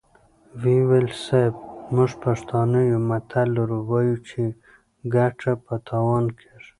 ويې ويل: صيب! موږ پښتانه يو متل لرو، وايو چې ګټه په تاوان کېږي.